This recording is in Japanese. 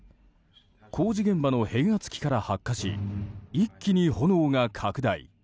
工事現場の変圧器から発火し一気に炎が拡大。